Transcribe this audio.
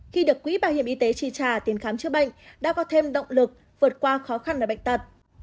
khi được quỹ bảo hiểm y tế tri trả tiền khám chữa bệnh đã có thêm động lực vượt qua khó khăn ở bệnh tật